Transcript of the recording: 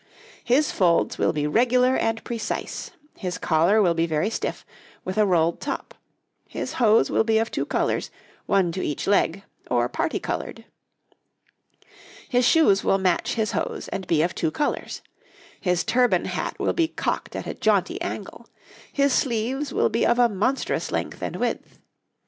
His folds will be regular and precise, his collar will be very stiff, with a rolled top; his hose will be of two colours, one to each leg, or parti coloured. His shoes will match his hose, and be of two colours; his turban hat will be cocked at a jaunty angle; his sleeves will be of a monstrous length and width.